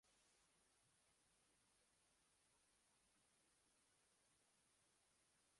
Qancha o‘zbekistonlik Rossiyada “kosmik ish”da ishtirok etadi